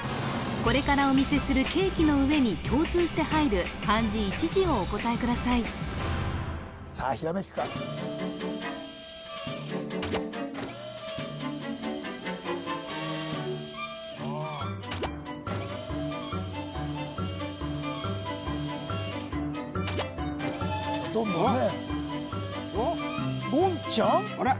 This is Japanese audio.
これからお見せするケーキの上に共通して入る漢字一字をお答えくださいさあひらめくかどんどんねえ言ちゃん？あれ？